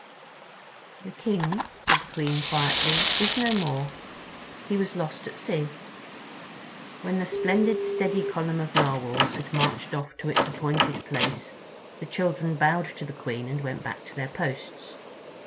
"The King," said the Queen quietly, "is no more. He was lost at sea." When the splendid steady column of Narwhals had marched off to its appointed place the children bowed to the Queen and went back to their posts.